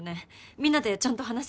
みんなでちゃんと話し合って。